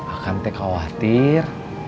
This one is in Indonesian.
akan teh khawatir